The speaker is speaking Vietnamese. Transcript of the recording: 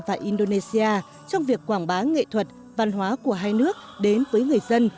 và indonesia trong việc quảng bá nghệ thuật văn hóa của hai nước đến với người dân